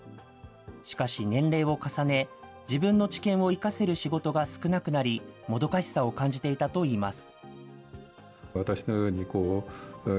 しかし、年齢を重ね、自分の知見を生かせる仕事が少なくなり、もどかしさを感じていたといいます。